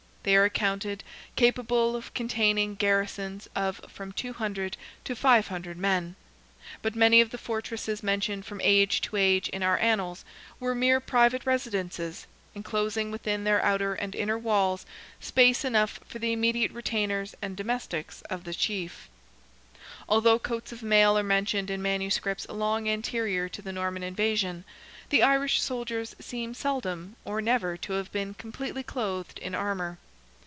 They are accounted capable of containing garrisons of from 200 to 500 men; but many of the fortresses mentioned from age to age in our annals were mere private residences, enclosing within their outer and inner walls space enough for the immediate retainers and domestics of the chief. Although coats of mail are mentioned in manuscripts long anterior to the Norman invasion, the Irish soldiers seem seldom or never to have been completely clothed in armour.